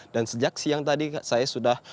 dan sejak siang tadi saya sudah